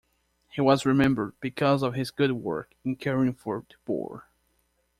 He was remembered because of his good work in caring for the poor.